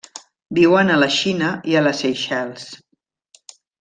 Viuen a la Xina i a les Seychelles.